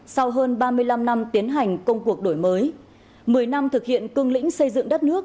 sau hơn ba mươi năm năm tiến hành công cuộc đổi mới một mươi năm thực hiện cương lĩnh xây dựng đất nước